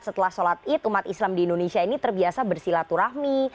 setelah sholat id umat islam di indonesia ini terbiasa bersilaturahmi